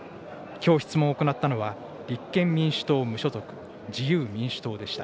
きょう質問を行ったのは、立憲民主党・無所属、自由民主党でした。